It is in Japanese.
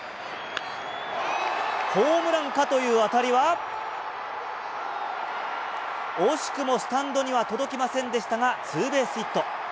ホームランかという当たりは、惜しくもスタンドには届きませんでしたが、ツーベースヒット。